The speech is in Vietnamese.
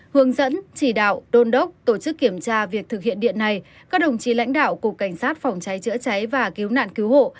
hướng dẫn chỉ đạo đôn đốc tổ chức kiểm tra việc thực hiện điện này các đồng chí lãnh đạo cục cảnh sát phòng cháy chữa cháy và cứu nạn cứu hộ